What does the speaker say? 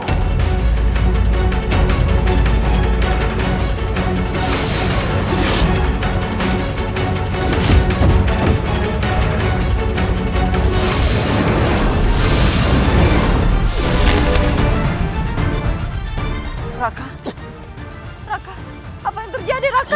raka apa yang terjadi raka